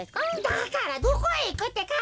だからどこへいくってか。